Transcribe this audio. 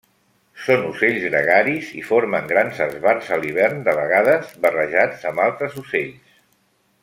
Són ocells gregaris i formen grans esbarts a l'hivern de vegades barrejats amb altres ocells.